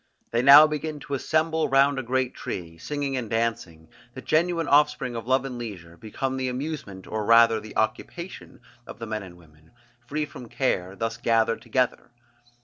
They now begin to assemble round a great tree: singing and dancing, the genuine offspring of love and leisure, become the amusement or rather the occupation of the men and women, free from care, thus gathered together.